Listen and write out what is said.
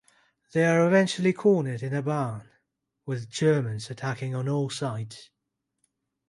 They are eventually cornered in a barn, with Germans attacking on all sides.